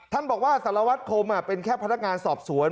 ท่านบอกว่าสารวัตรคมเป็นแค่พนักงานสอบสวน